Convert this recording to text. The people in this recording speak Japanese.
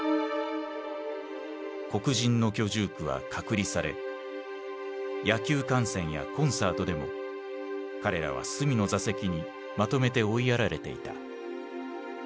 黒人の居住区は隔離され野球観戦やコンサートでも彼らは隅の座席にまとめて追いやられていた。